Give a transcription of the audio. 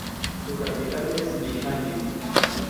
Su capital es Viljandi.